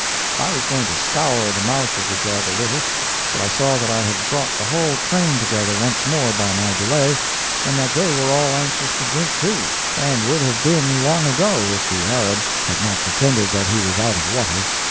I was going to scour the mouth of the jug a little, but I saw that I had brought the whole train together once more by my delay, and that they were all anxious to drink too—and would have been long ago if the Arab had not pretended that he was out of water.